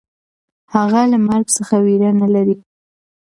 هغه له مرګ څخه وېره نهلري.